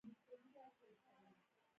زه د نظم قافیه لیکم.